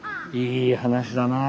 いい話だなあ。